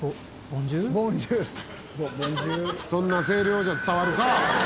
そんな声量じゃ伝わるか！